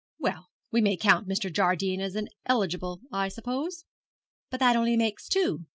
'Well, we may count Mr. Jardine as an eligible, I suppose?' 'But that only makes two.